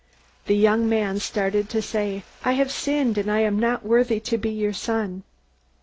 The young man started to say, 'I have sinned, and I am not worthy to be your son.'